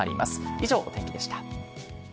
以上、お天気でした。